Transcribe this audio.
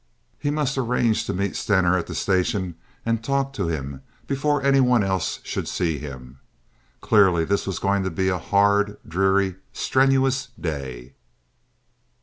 He must arrange to meet Stener at the station and talk to him before any one else should see him. Clearly this was going to be a hard, dreary, strenuous day.